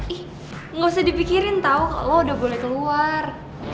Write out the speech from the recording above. ih gak usah dipikirin tahu lo udah boleh keluar